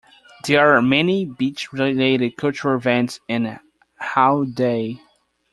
There are many beach-related cultural events in Haeundae.